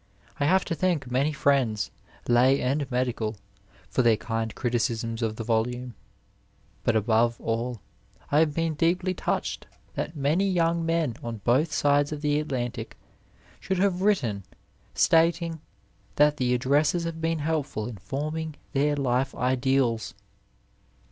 I have to thank many friends, lay and inedieal, for their kind criticisms (rf the volume; but above mD, I have been deeply touched that many young men on both sides of the Atlantic sliould have written stating Uiat the addresses have been helpful in forming their hf e ideals.